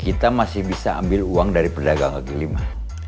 kita masih bisa ambil uang dari pedagang giliman